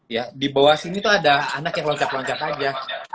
ya di bawah sini tuh ada anak yang loncat loncat aja